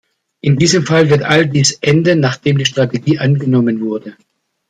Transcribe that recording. In diesem Fall wird all dies enden, nachdem die Strategie angenommen wurde.